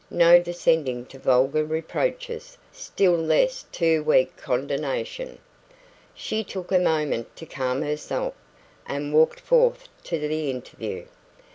No descending to vulgar reproaches still less to weak condonation. She took a moment to calm herself, and walked forth to the interview.